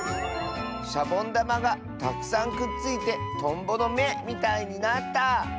「シャボンだまがたくさんくっついてトンボのめみたいになった！」。